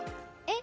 え！